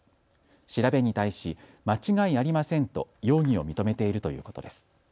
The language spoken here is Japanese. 調べに対し、間違いありませんと容疑を認めているということです。